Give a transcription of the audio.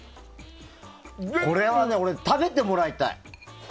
これはね俺、食べてもらいたい。